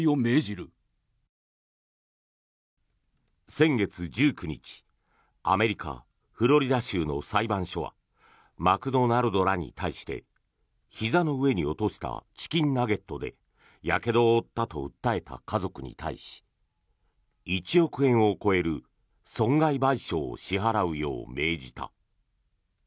先月１９日アメリカ・フロリダ州の裁判所はマクドナルドらに対してひざの上に落としたチキンナゲットでやけどを負ったと訴えた家族に対し１億円を超える損害賠償を支払うよう命じた。